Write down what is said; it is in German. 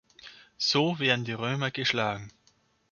So werden die Römer geschlagen.